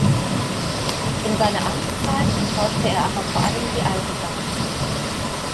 In seiner Amtszeit enttäuschte er aber vor allem die Eisenbahn.